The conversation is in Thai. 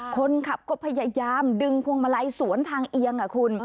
คนขับก็พยายามดึงพวงมาลัยสวนทางเอียงคุณ